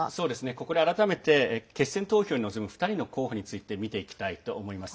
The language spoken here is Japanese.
ここで改めて決選投票に臨む２人の候補について見ていきたいと思います。